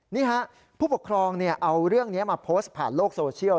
นี่ฮะผู้ปกครองเอาเรื่องนี้มาโพสต์ผ่านโลกโซเชียล